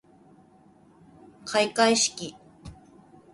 かいかいしき